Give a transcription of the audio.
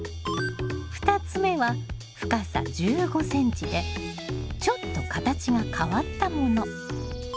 ２つ目は深さ１５ｃｍでちょっと形が変わったもの。